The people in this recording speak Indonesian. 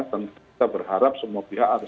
tentu kita berharap semua pihak harus